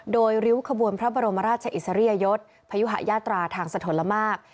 โดยริ้วขบวนพระบรมราชอิสริยยศพยุหะยาตราทางสะทนละมาก